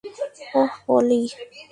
ওহ, পলি।